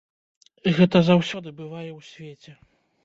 Гэта заўсёды бывае ў свеце.